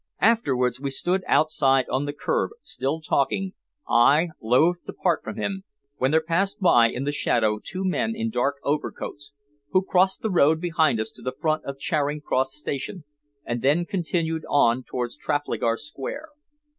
Afterwards we stood outside on the curb, still talking, I loth to part from him, when there passed by in the shadow two men in dark overcoats, who crossed the road behind us to the front of Charing Cross station, and then continued on towards Trafalgar Square.